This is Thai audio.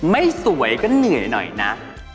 ไม่สวยก็เหนื่อยหน่อยนะ